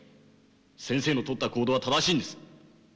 先生のとった行動は正しいんです。